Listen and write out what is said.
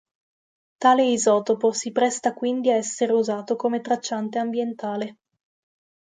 Tale isotopo si presta quindi a essere usato come tracciante ambientale.